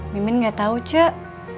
mimin gak tahu cuk